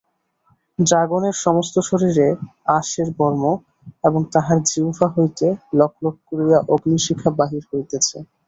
ড্রাগনের সমস্ত শরীরে আঁশের বর্ম এবং তাহার জিহ্বা হইতে লকলক করিয়া অগ্নিশিখা বাহির হইতেছে।